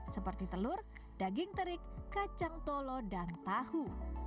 seperti telur daging terik kacang tolo dan tahu